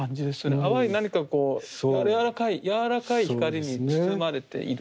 淡い何かこう柔らかい光に包まれている。